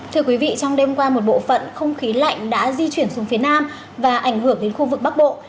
thưa quý vị trong đêm qua một bộ phận không khí lạnh đã di chuyển xuống phía nam và ảnh hưởng đến khu vực bắc bộ